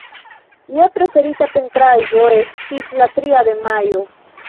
Lia preferita pentraĵo estis La tria de majo.